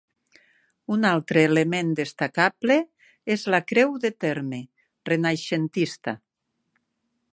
Un altre element destacable és la creu de terme, renaixentista.